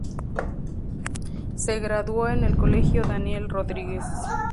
Se graduó en el colegio "Daniel Rodríguez".